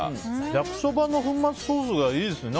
焼きそばの粉末ソースがいいですね。